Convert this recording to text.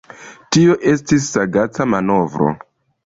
Tio estis sagaca manovro.